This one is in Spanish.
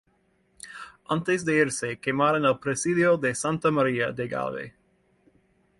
Antes de irse quemaron el presidio de Santa María de Galve.